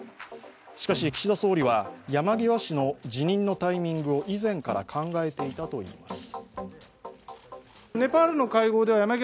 しかし、岸田総理は山際氏の辞任のタイミングを以前から考えていたといいます。